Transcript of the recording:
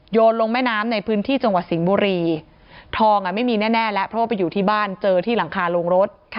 ลงแม่น้ำในพื้นที่จังหวัดสิงห์บุรีทองไม่มีแน่แล้วเพราะว่าไปอยู่ที่บ้านเจอที่หลังคาโรงรถ